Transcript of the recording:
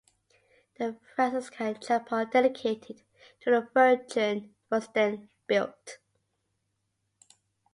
A Franciscan chapel dedicated to the Virgin was then built.